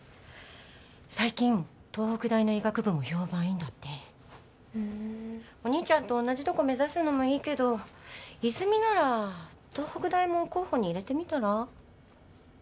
最近東北大の医学部も評判いいんだってお兄ちゃんと同じとこ目指すのもいいけど泉なら東北大も候補に入れてみたら？